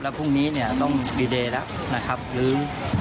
พรุ่งนี้เนี่ยต้องดีเดย์แล้วนะครับหรือ